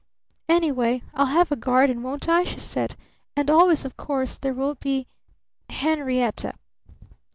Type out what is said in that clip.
"Anyway, I'll have a garden, won't I?" she said. "And always, of course, there will be Henrietta."